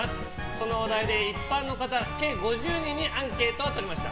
そのお題で一般の方、計５０名にアンケートを取りました。